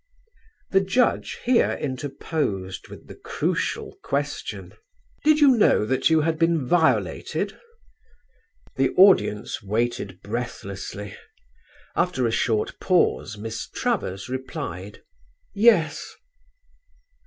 The judge here interposed with the crucial question: "Did you know that you had been violated?" The audience waited breathlessly; after a short pause Miss Travers replied: "Yes."